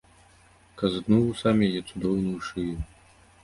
Казытнуў вусамі яе цудоўную шыю.